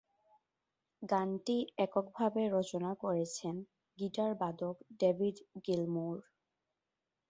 গানটি এককভাবে রচনা করেছেন গিটারবাদক ডেভিড গিলমোর।